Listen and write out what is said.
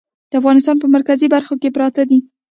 د افغانستان په مرکزي برخو کې پراته دي.